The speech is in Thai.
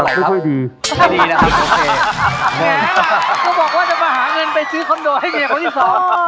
แน่ละก็บอกว่าจะมาหาเงินไปซื้อคอนโดให้เมียเขาที่สอง